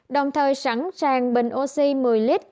đồng thời sẵn sàng bệnh oxy một mươi lit